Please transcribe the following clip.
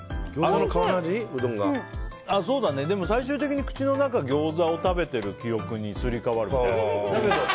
最終的に口の中ギョーザを食べてる記憶にすり替わるみたいな。